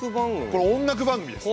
これ音楽番組です。